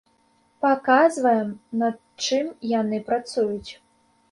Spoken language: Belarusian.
Паказваем, над чым яны працуюць.